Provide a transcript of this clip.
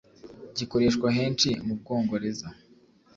gikoreshwa henshi mu Bwongoreza